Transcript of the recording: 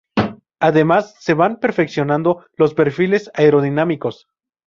Además se van perfeccionando los perfiles aerodinámicos.